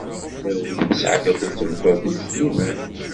Dawed isɛa-d akked tmeṭṭut-is Sliman.